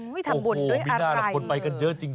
วิถับบุญด้วยอะไรคือโอ้โฮมีน่าจะคนไปกันเยอะจริง